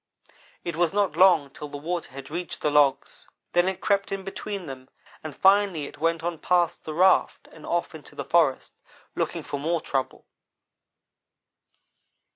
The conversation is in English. "It was not long till the water had reached the logs; then it crept in between them, and finally it went on past the raft and off into the forest, looking for more trouble.